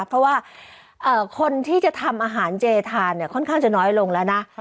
เพราะว่าคนที่จะทำอาหารเจทานเนี่ยค่อนข้างจะน้อยลงแล้วนะ